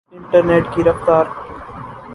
internet کی رفتار